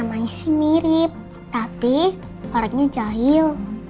namanya sih mirip tapi orangnya cahil